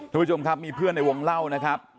ทุกผู้ชมครับมีเพื่อนในวงเล่านะครับ